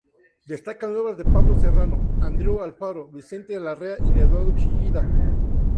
Destacan obras de Pablo Serrano, Andreu Alfaro, Vicente Larrea y de Eduardo Chillida.